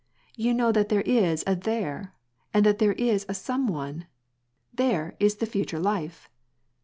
You know that there is a there, and that there is a sovie one, * There, is the future life.